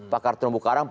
pakar terumbu karang